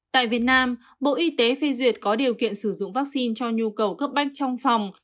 tại việt nam bộ y tế phê duyệt có điều kiện sử dụng vaccine cho nhu cầu cấp bách trong phòng